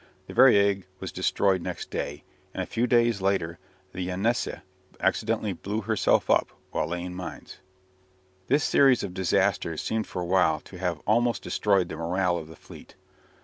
The "Variag" was destroyed next day, and a few days later the "Yenessei" accidentally blew herself up while laying mines. This series of disasters seemed for a while to have almost destroyed the morale of the fleet.